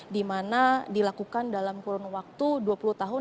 di mana dilakukan dalam kurun waktu dua puluh tahun